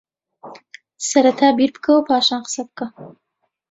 سەرەتا بیر بکەوە پاشان قسەبکە